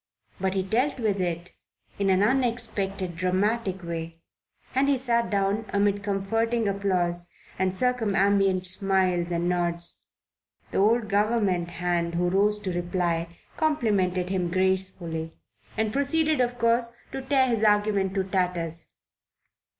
But he dealt with it in an unexpected, dramatic way, and he sat down amid comforting applause and circumambient smiles and nods. The old government hand who rose to reply complimented him gracefully and proceeded of course to tear his argument to tatters.